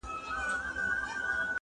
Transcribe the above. و دربار ته یې حاضر کئ بېله ځنډه,